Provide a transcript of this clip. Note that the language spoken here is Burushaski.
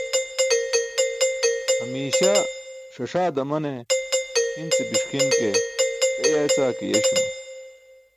Hamiiśa ṣaṣaa damane hi̇n ce biṣki̇n ke be yeecaa ke yeeśuma.